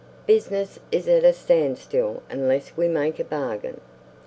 Business is at a standstill unless we make a bargain.